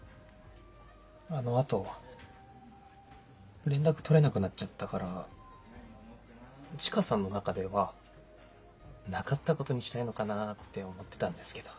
あの後連絡取れなくなっちゃったからチカさんの中ではなかったことにしたいのかなって思ってたんですけど。